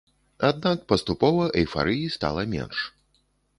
Аднак паступова эйфарыі стала менш.